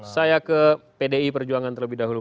saya ke pdi perjuangan terlebih dahulu